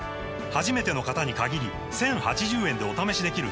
初めての方に限り１０８０円でお試しできるチャンスです